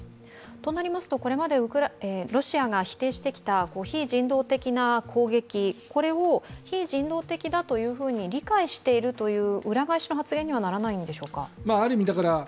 となりますと、これまでロシアが否定してきた非人道的な攻撃を非人道的だと理解しているという裏返しの発言にはならないのでしょうか？